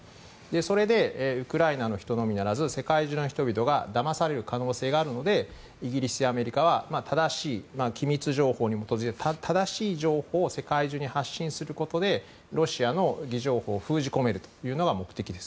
それでウクライナの人のみならず世界中の人々がだまされる可能性があるのでイギリスやアメリカは機密情報に基づいた正しい情報を世界中に発信することでロシアの偽情報を封じ込めるというのが目的です。